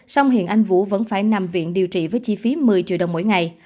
song hiện anh vũ vẫn phải nằm viện điều trị với chi phí một mươi triệu đồng mỗi ngày